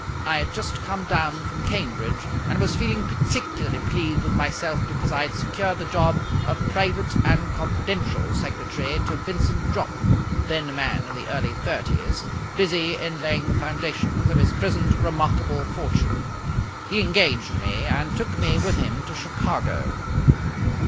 I had just come down from Cambridge, and was feeling particularly pleased with myself because I had secured the job of private and confidential secretary to Vincent Jopp, then a man in the early thirties, busy in laying the foundations of his present remarkable fortune. He engaged me, and took me with him to Chicago.